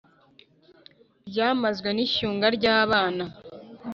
ryamazwe n’ishyunga ry’abana,